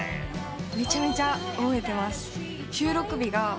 めちゃめちゃ覚えてます。